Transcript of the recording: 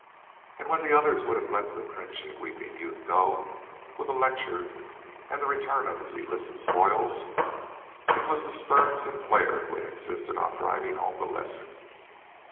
And when the others would have let the cringing, weeping youth go with a lecture and the return of his illicit spoils, it was the stern Sinclair who had insisted on driving home the lesson.